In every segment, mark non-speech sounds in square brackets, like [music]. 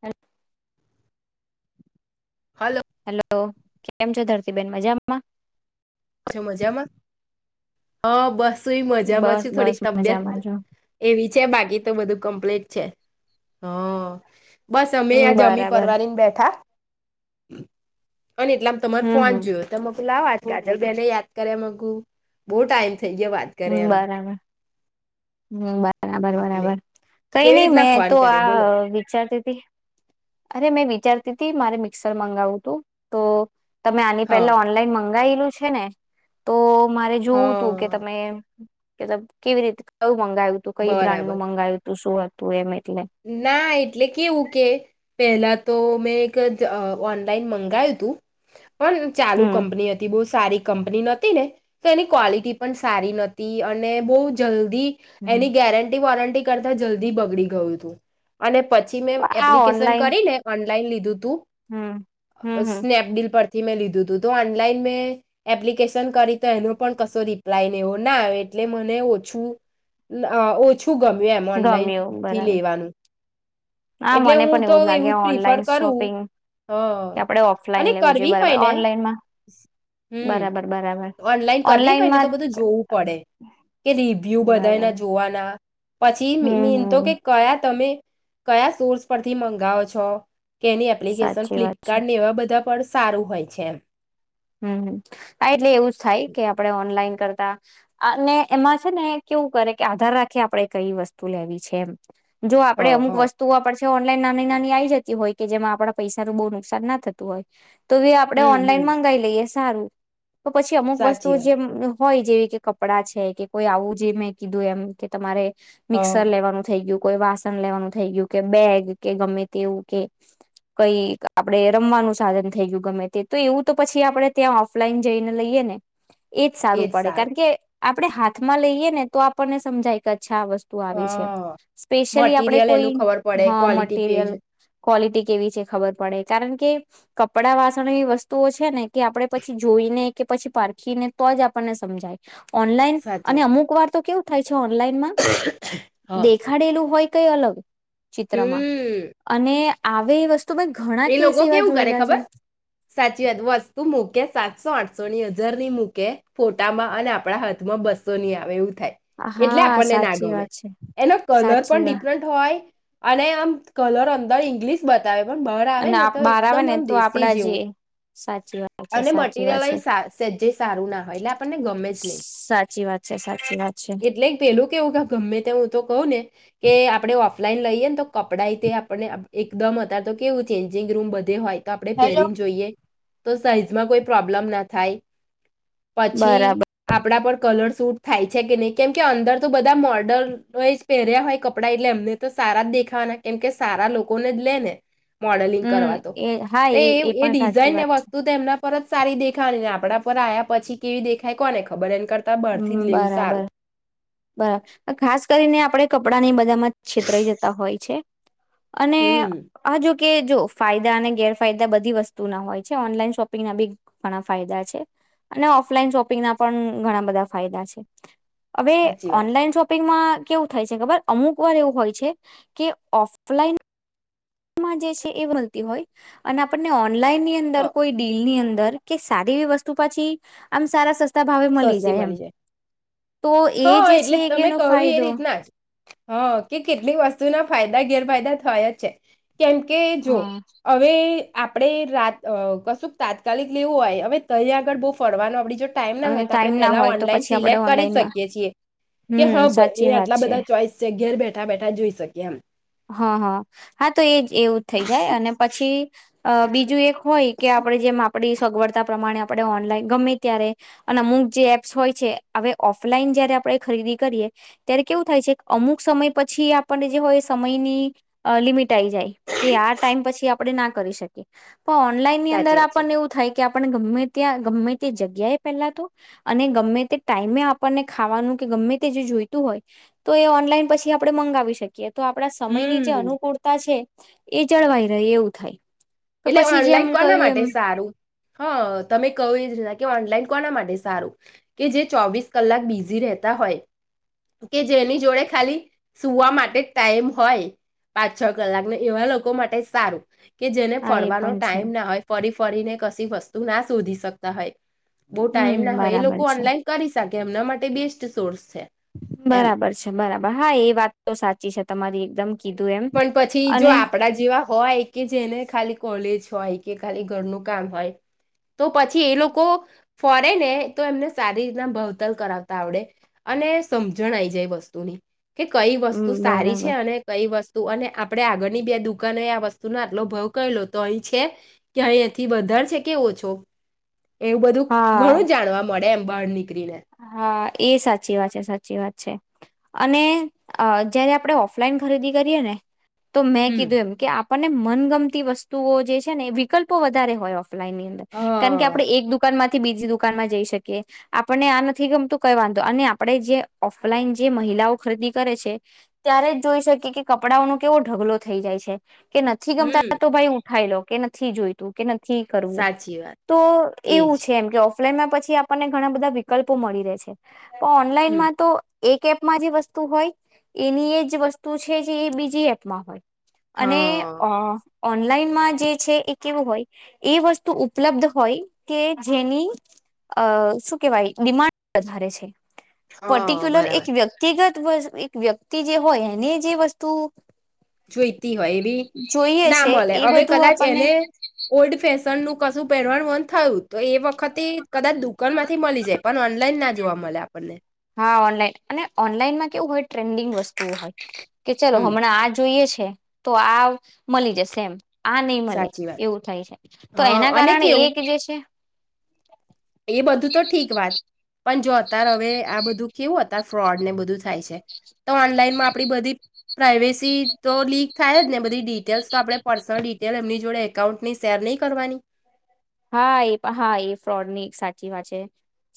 Hello. હલ hello, કેમ છો ધરતીબેન મજામાં? છો મજામાં, હો બસ. તુંઈ મજામાં બસ છું. બસ થોડીક તબિયત મજામાં છો એવી છે. બા ઈ તો બધું કમ્પ્લીટ છે. હં, બસ અમેય હમ આ જમી બરાબર પરવારી ન બેઠા. [inaudible] અને એટલામ તમાર હમ ફોન હમ જોયો તો મેં કુ લાવ આજ કિંજલબેને યાદ કર્યા મેં કુ. બોવ ટાઈમ થઈ ગ્યા વાત કરે એમ. હમ્મ, બા બરાબર, એટલે બરાબર. કઈ કેવી નય રીતના મેં તો ફોન કરે આ બોલો વિચારતી તી. અરે મેં વિચારતી તી મારે મિક્સર મંગાવું તું. તો તમે આની હા પેલા ઓનલાઈન મં ગાયેલું છે ને. તો મારે જોવું તું કે હા તમે કે તમ કેવી રીતે કવ મંગાયું તું. કઈ બરાબર બ્રાન્ડનું મંગાયું તું શું હતું એમે એ ના, એટલે કેવું કે પેહેલા તો મેં એક ઓનલાઈન મંગાયું તું પન ચાલુ હમ કંપની હતી બહુ સારી કંપની નતી ને તો એની કોલેટી પન સારી નતી અને બહુ જલ્દ દી એની ગેરંટી વોરંટ ટી કરતાં જલ્દી બગડી ગયું તું અને પછી મેં આ એપ્લિકેશન ઓનલાઈન કરીને લાઈન લીધુંત તું હમ હમ હમ સ્નેપડીલ પર થી મેં લીધું તું. તો ઓનલાઈન મેં એપ્લિકેશન કરી તો એનો પણ કશો રિપ્લાયને એવો ના આવે એટલે મને ઓછું અ ઓછું ગમ્યું એમ ઓનલાઈન ગમ્યું થી બરાબર લેવાનું હા એટલે મને હું પણ તો લાગે એવું જ પ્રિફર ઓનલાઈન કરું શોપિંગ હ કે આપડે અને ઓફલાઈન લેવું જોઈએ કરવી બરાબર હોય ને ઓનલાઈનમાં હમ્મ બરાબર બરાબર ઓનલાઈન કરવી હોય ને ઓનલાઈનમાં તો બધું જોવું પડે કે રિવ્યુ બરાબર બધાંના જોવાના પછી હમ મીનતો હમ કે કયા તમે? કયા સોર્સ પરથી મંગાવો છો? કેની એપ્લિકેશન સાચી વાત છે ફ્લિપકાર્ટને એવા બધા પણ સારું હોય છે એમ. હમ્મ. હા. એટલે એવું જ થાય કે આપડણે ઓનલાઈન કરતા અને એમાં છે ને કેવું કરે કે, આધાર રાખી આપણે કઈ વસ્તુ લેવી છે એમ. જો હ આપડે અમુક હ વસ્તુઓ પડશે ઓનલાઈન નાની નાની આઈ જતી હોય કે, જેમાં આપણા પૈસાનું બહુ નુકસાન ના થતું હોય તો બી આપણે હમ હમ ઓનલાઈન મંગા સારું. તો પછી અમુક વસ્તુ સાચી વાત જેમ હોય જેવી કે કપડાં છે, કે કોઈ આવું જે મેં કીધું એમ કે તમારે હ મિક્સર લેવાનું થઇ ગયું, કોઈ વાસન લેવાનું થઈ ગયું, કે બેગ કે ગમે તે એવું કે કઈ આપણે રમવાનું સાધન થઈ ગયું, ગમે તે તો એવું તો પછી આપણે ત્યાં ઓફલાઈન જઈને લઈએ ને એજ સારું પડે કારણ કે આપડે હાથમાં લઈએ ને તો આપણને સમજાય- આ વસ્તુ હ આવી છે, સ્પેશિયલી આપણે મટીરિયલ કોઈ એનું ખબર પડે હ ક્વોલિટી કેવી મટીરિયલ છે ક્વોલિટી કેવી છે ખબર પડે કારણ કે કપડાં વાસણ એવી વસ્તુઓ છે ને કે આપડણે પછી જોઈને કે પછી પારખીને તો જ આપણને સમજાય ઓનલાઈન સાચી અને વાત અમુક વાર તો કેવું ઓનલાનમાં હ દેખાડેલું હોય કઈ અલગ ચિત્રમાં હમ અને આવે વસ્તુ મેં ઘણા એ કેસ લોકો એવા કેવું કરે જોયેલા છે ખબર, સાચી વાત બસ તું મૂકે સાતસો, આઠસો ની હજર ની મૂકે ફોટામાં અને આપણા હાથમાં બસો ની આવે એવું એટલે હા આપને ના સાચી ગમે, વાત છે એનો કલર સાચી પણ વાત ડિફરન્ટ હોય અને કલર અંદર ઇંગ્લિશ બતાવે પણ બહર આવે અને ને તો બહાર આવે એકદમ ને આમ તો દેશી આપડા જે જેવું સાચી વાત છે અને સાચી મટીરિયલ વાત છે સેજ્જય સારું ના હોય, એટલે આપણને ગમે જ નહી, સાચી વાત છે સાચી વાત છે. એટલે પેલું કેવું કે ગમે તે હું તો કહો ને કે આપડે ઓ ઓફલાઈન લઈએ ને તો, કપડાં એ તે આપને એકદમ અત તો કેવું ચેન્જિંગ રૂમ બધે હોય. તો આપડણે હેલો. પહેરીને જોઈએ તો સાઈઝમાં કોઈ પ્રોબ્લેમ ના થાય પછી બરાબર આપણા પણ કલર સુૂટ થાય છે કે નહી કેમ કે અંદર તો બધા મોડલ એ જ પહેર્યા હોય કપડાં એટલે એમને તો સારા જ દેખાવાના કેમ કે સારા લોકોને જ લે ને મોડલિંગ હમ કરવા તો એ હા તો એ એ પણ સાચી ડિઝાઇન એ વાત છે વસ્તુ તો એમના પરત સારી દેખાવાનીને આપડા પર આયા પછી કેવી દેખાય કોને ખબર એ કરતા બહારથી હમ જ લેવું બરાબર સારું બરાબર ખાસ કરીને આપણે કપડા ને બધામાં છેતરાઈ જતા હોય છે. અને હમ આ જો કે જો ફાયદા અને ગેરફાયદા બધી વસ્તુ ના હોય છે ઓનલાઈન શોપિંગ ના બી ઘણા ફાયદા છે અને ઓફલાઈન શોપિંગ ના પણ ઘણા બધા ફાયદા છે. હવે સાચી વાત ઓનલાઈન શોપિંગમાં કેવું થાય છે ખબર અમુક વાર એવું હોય છે કે ઓફલાઈન જે છે એ વતી હોય અને આપણને ઓનલાઈન ની અંદર કોઈ ડીલ ની અંદર સારી વસ્તુ પાછીમ આમ સારા સસ્તા ભાવે સસ્તી જાય એમ મળી તો જાય એ હા જે એટલે છે કે તમે એનો કહવી એ ફાયદો રીતના જ હ કે કેટલીક વસ્તુના ફાયદા ગેરફાયદા થયા જ છે. કેમ કે જો હ હવે આપણે રાત કશું તાત્કાલિક લેવું હોય હવે તં આગળ બહુ ફરવાનું આપડી જો ટાઈમ ના અને હોય આપડે ટાઈમ ના પેલા હોય તો ઓનલાઈન પછી આપડે સિલેક્ટ કરી ઓનલાઈનમાં શકીએ છીએ, કે હ હમ ભઈ સાચી એ વાત આટલા છે બધા ચોઈસ છે ઘેર બેઠા બેઠા જોઈ શકીએ એમ. હા હા હા, તો એજ એવું જ થઈ જાય અને પછી અ બીજું એક હોય કે આપડે જે માપ પડી સગવડતા પ્રમાણે આપડે ઓનલાઈન ગમે ત્યારે અને અમુક જે એપ્સ હોય છે, હવે ઓફલાઈન જયારે આપડે ખરીદી કરીએ ત્યારે કેવું થાય છે, અમુક સમય પછી આપનને જે વોઈસ સમયની અ લિમિટ આઈ જાય, કે આ ટાઈમ પછી આપડે ના કરી શકીએ. પ ઓનલાઈનની અંદર સાચી વાત છે આપણને એવું થાય કે આપણને ગમે ત્યાં ગમે તે જગ્યાએ પેલા તો અને ગમે તે ટાઈમે આપણને ખાવાનું કે ગમે તે જે જોઈતું હોય, તો એ ઓનલાઈન પછી આપડે મંગાવી શકીએ. તો આપડા સમયની જે હમ અનુકૂળતા છે એ જળવાઈ રહે એવું થાય. તો એટલે પછી જેમ ઓનલાઈન કોના કહ્યું એમ માટે સારું. હ, તમે કહું એ જ [unintelligible] કે ઓનલાઈન કોના માટે સારું. કે જે ચોવીસ કલાક બિઝી રેહતા હોય, કે જેની જોડે ખાલી સુવા માટે ટાઈમ હોય, પાંચ છ કલાક ને એવા લોકો માટે સારું કે હા એ ફરવાનો પણ છે ટાઈમ ના હોય ફરી ફરીને કશી વસ્તુ ના શોધી શકતા હોય બહુ હમ ટાઈમ ના હોય એ બરાબર લોકો છે ઓનલાઈન કરી શક એમના માટે બેસ્ટ સોર્સ છે એમ બરાબર છે. બરાબર હા, એ વાત તો સાચી છે તમારી. એકદમ કીધું એમ પન પછી જો અને આપડા જેવા હોય કે જેને ખાલી કોલેજ હોય કે ખાલી ઘરનું કામ હોય તો પછી એ લોકો ફરે ને તો એમને સારી રીતના ભવતાલ કરાવતા આવડે. અને સમજણ આયી જાય વસ્તુની કે કઈ વસ્તુ સારી છે, બરાબર અને કઈ વસ્ત અને આપડે આગળની બે દુકાનોએ આ વસ્તુનો આટલો ભવ કરી લો તોય છે કે અહી એથી વધાર છે કે ઓછો. એવું બધું હા ઘણું જાણવા મળે એમ. બારની ક્રિયા હા એ સાચી વાત છે, સાચી વાત છે. અને અ જયારે આપડે ઓફલાઈન ખરીદી કરીએ ને તો મેં હમ કીધું એમ કે આપ પણને મનગમતી વસ્તુઓ જે છે ને એ વિકલ્પો વધારે હોય ઓફ ફલાઈનની અંદર કારણ કે હા આપડે એક દુકાનમાં થી બીજી દુકાનમાં જઈ શકીએ. આપ પણને આ નથી ગમતું કઈ વાંધો અને આપડે જે ઓફલાઈન જે મહિલાઓ ખરીદી કરે છે, ત્યારે જ જોઈ શકીએ કે કપડાઓનો કેવો ઢગલો થઈ જાય છે. કે નથી હમ ગમતા તો ભાઈ હું ખાઈ લો કે નથી જોઈતું કે નથ થી કરવું સાચી વાત તો એવું એજ છે, એમ કે ઓફ ફ્લેમના પછી આપણને ઘણા બધા વિક કલ્પો મળી રહે છે. હમ ઓનલાઈનમાં તો એક એપમાં જે વસ્તુ હોય એની એ જ વસ્તુ છે જે એ બીજી એપમાં હોય અને હા અ ઓનલાઈનમાં જે છે એ કેવું હોય એ વસ્તુ ઉપલબ્ધ હોય કે જેની અ શું કેહેવાય ડિમાન્ડ વધારે છે હા પર્ટિક્યુલર બરાબર એક વ્યક્તિગત એક વ્યક્તિ જે હોય એને જે વસ્તુ જોઈતી હોય બી જોઈએ ના છે મળે એ હવે બધું કદાચ આપણને એને ઓલ્ડ ફેશન નું કશું પહેરવાનું મન થયું તો એ વખતે કદાચ દુકાન માંથી મળી જાય પણ ઓનલાઈન ના જોવા મળે આપણને હા ઓનલાઈન અને ઓનલાઈનમાં કેવું હોય ટ્રેન્ડિંગ વસ્તુઓ હોય કે ચલો હમ હમણાં આ જોઈએ છે તો આ મળી જશે એમ આ નહી મળે સાચી વાત એવું થાય છે તો હા એના અને કારણે કેવું એક જે છે [inaudible] એ બધું તો ઠીક વાત પણ જો અતાર હવે આ બધું કેવું અતાર ફ્રોડ ને બધું થાય છે તો ઓનલાઈનમાં આપણી બધી પ્રાઈવેસી તો લીક થાય જ ને બધી ડિટેલ્સ તો આપણે પર્સનલ ડિટેલ એમની જોડે એકાઉન્ટ ની શેર નહીં કરવાની હા એ પણ હા એ ફ્રોડની એક સાચી વાત છે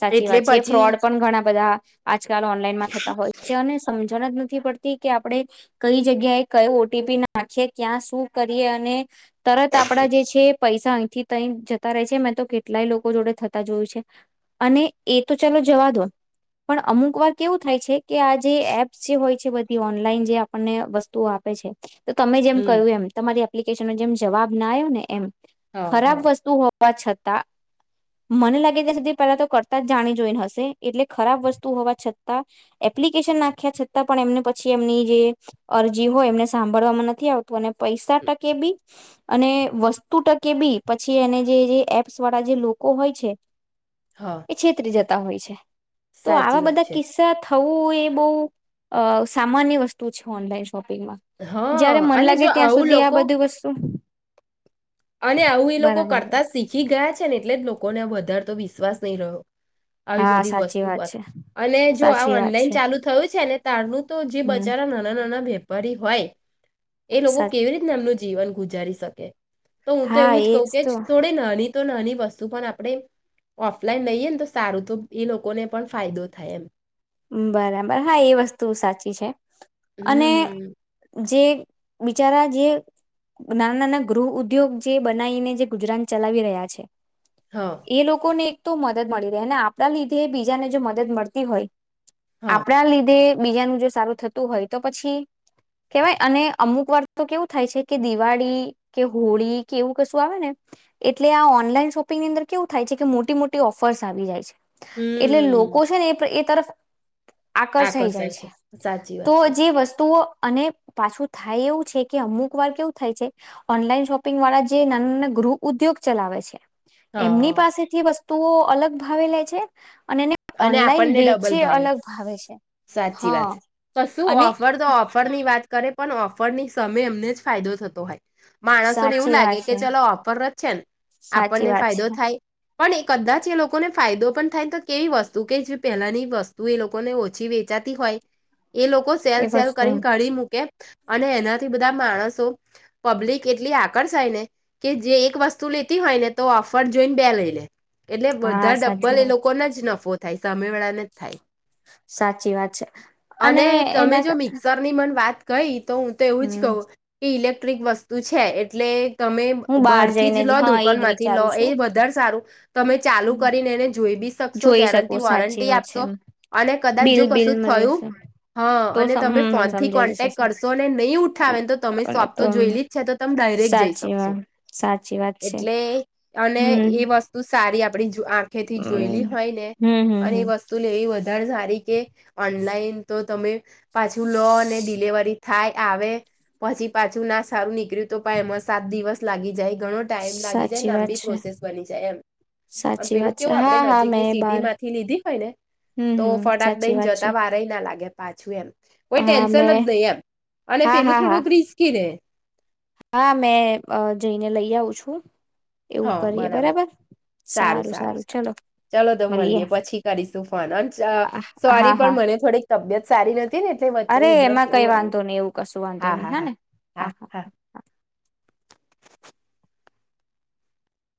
સાચી એટલે વાત છે પછી ફ્રોડ પણ ઘણા બધા આજકાલ ઓનલાઈનમાં થતા હોય છે અને સમજણ જ નથી પડતી કે આપડણે કઈ જગ્યાએ કઈ ઓટીપી નાખીએ ક્યાં શું કરીએ અને તરત આપણા જે છે પૈસા અહીંથી તહી જતા છે મેં તો કેટલાય લોકો જોડે થતા જોયું છે અને એ તો ચાલો જવા દો પણ અમુક વાર કેવું થાય છે કે આ જે એપ્સ જે હોય છે બધી ઓનલાઈન જે આપણને વસ્તુઓ આપે છે તો તમે જેમ હમ કહ્યું એમ તમારી એપ્લિકેશનનો જેમ જવાબ ના આવ્યો ને એમ હા ખરાબ હા વસ્તુ હો હોવા છતાં મને લાગે ત્યાં સુધી પહેલા તો કરતા જ જાણી જોઈને હશે એટલે ખરાબ વસ્તુ હોવા છતાં એપ્લિકેશન નાખ્યા છતાં પણ એમને પછી એમની જે અરજી હોય એમને સાંભળવામાં નથી આવતી તને પૈસા ટકે ભી અને વસ્તુ ટકે બી પછી એને જે જે એપ્સ વાળા જે લોકો હોય છે હા એ છેત્રી જતા [unintelligible] હોય છે. તો આવા સાચી વાત બધા છે કિસ્સા થવું એ બહુ અ સામાન્ય વસ્તુ છે ઓનલાઈન પિંગમાં જયારે હા મન અને લાગે જો ત્યાં આવું સુધી આ લોકો બધી વસ્તુ અને આવું એ લોકો બરાબર કરતા જ શીખે હી ગયા છે ને એટલે જ લોકોને વધારે તો વિશ્વાસ નહીં રહ્યો આવી હા બધી સાચી વસ્તુ વાત પર છે અને જો આ સાચી વાત ઓનલાઈન છે ચાલુ થયું છે ને તારનું તો જે હમ બચારા નાના નાના ભે ફરી હોય એ લોકો સા કેવી રીતના એમનું જીવન ગુજારી શકે. તો હું તો હા એવું જ કહું એજ કે તો થોડી નાની તો નાની વસ્તુ પણ આપણે ઓફલાઈન લઈએ ને તો સારું તો એ લોકોને પણ ફાયદો થાય એમ બરાબર હા એ વસ્તુ સાચી છે. અને હમ જે બિચારા જે નાના નાના ગૃહ ઉદ્યોગ જે બનાવીને જે ગુજરાત ચલાવી રહ્યા છે. હા એ લોકો ને તો મદદ મળી રહે અને આપણા લીધે બીજાને જો મદદ મળતી હોય હા આપણા લીધે બીજાનું જો સારું થતું હોય તો પછી કેવાય અને અમુક વાર તો કેવું થાય છે કે દિવાળી કે હોળી કે એવું કશું આવે ને એટલે આ ઓનલાઈન શોપિંગની અંદર કેવું થાય છે કે મોટી મોટી ઓફર્સ આવી જાય છે. એટલે હમ લોકો છે ને એ પ એ તરફ આકર્ષાઈ જાય આકર્ષાય છે સાચી તો વાત છે જે વસ્તુઓ અને પાછું થાય એવું છે કે અમુક વાર કેવું થાય છે ઓનલાઈન શોપિંગ વાળા જે નાના નાના ગૃહ ઉદ્યોગ ચલાવે છે એમની હા પાસેથી વસ્તુ તુંઓ અલગ ભાવે લે છે અને એને અને ઓનલાઈન આપણને દે ડબલ સાચી વાત ક શું અને ઓફર દ ઓફર ની વાત કર તે પણ ઓફરની સમયમે એમને જ ફાયદો થતો હોય. માણસોને એવું સાચી લાગે વાત કે છે ચાલો ઓફર જ છે ને સાચી આપણને વાત ફાયદો છે થાય પણ એ કદાચ એ લોકોને ફાયદો પણ થાય તો કેવી વસ્તુ કે જે પહેલાની વસ્તુ એ લોકોને ઓછી વેચાતી હોય એ લોકો સેલ એ સેલ વસ્તુ કરીને કાઢી મૂકે અને એનાથી બધા માણસો પબ્લિક એટલી આકર્ષાય ને કે જે એક વસ્તુ લેતી હોય ને તો ઓફર જોઈને બે લઈ લે એટલે હા બધા સાચી ડબ્બલ એ વાત લોક નફો થાય સ તમે વેળાને થાય સાચી વાત છે અને તમે જો મિક્સર ની મને વાત કઈ તો હું તો એવું જ હમ કહું કે ઇલેક ક્ટ્રિક વસ્તુ છે એટલે તમે હું બહાર બહારથી જઈને જ લો હા દુકાન એજ માંથી લો વિચારું એ વધારે સારું તમે ચાલુ છું કરીને એને જોઈ બી સ [unintelligible] સો જોઈ શકો ગેરંટી સાચી વોરંટી વાત છે આપશો એમ અને કદાચ બિલ જો બિલ કશું મળી થયું જશે હા તો અને તમે હમ ફોનથી સમજાઈ કોન્ટેક્ટ જશે કરશો અને નહી ઉઠાવે તો તમે સોપ તો જોયલી જ છે તો તમે ડાયરેક્ટ જઈ સાચી શકશો વાત સાચી વાત છે એટલે અને હમ એ વસ્તુ સા સારી આપ આપણી જો આંખેથી હમ જોયેલી હોય ને હમ અને એ હમ વસ્તુ લેવી વધ સારી કે ઓનલાઈન તો તમે પાછું લો, અને ડિલવરી થાય આવે પછી પાછું ના સારું નીકળ્યું, તો પણ એમાં સાત દિવસ લાગી જાય ઘણો ટાઈમ લાગી જાય સાચી વાત લાંબી છે પ્રોસેસ બની જાય એમ પણ સાચી પેલું વાત છે કેવું આપડે હા ન હા ક મેં બાર સિટીમાંથી લીધી હોય ને હમ તો હમ ફટાક સાચી દઈને વાત છે જતા વારય ના લાગે પાછી આપ કોઈ હા ટેન્શન મેં નથી જ નઈ એમ, અને હા પેલું હા હા થોડુંક રિસ્કી રે. હા. મેં જઈને લઈ આવું છું. હ. એવું કરીએ બરાબર. સારું સારું સારું ચાલ તો મળીએ મળએ પછી કરીશું ફોન અને સોરી હા પણ હા મને થોડીક તબિયત સારી રહે. અરે એમાં કઈ વાંધો નહી, એવું કશું વાંધો નહી હા. ને, હા. હા.